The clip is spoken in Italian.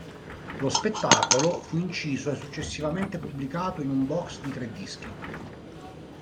Lo spettacolo fu inciso e successivamente pubblicato in un box di tre dischi.